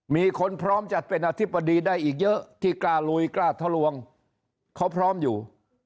มีคนพร้อมจะเป็นอธิบดีได้อีกเยอะที่กล้าลุยกล้าทะลวงเขาพร้อมอยู่